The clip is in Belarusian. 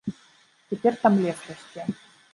Цяпер там лес расце.